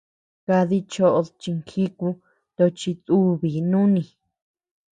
Kadi choʼod chinjíku tochi dùbii nuni.